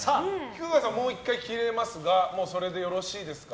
菊川さん、もう１回切れますがそれでよろしいですか？